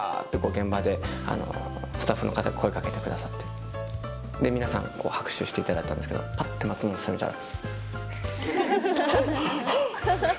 現場でスタッフの方が声をかけてくださって皆さん、拍手をしていただいたんですけどぱっと松本さんを見たら。